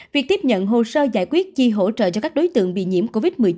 việc tiếp nhận hồ sơ giải quyết chi hỗ trợ cho các đối tượng bị nhiễm covid một mươi chín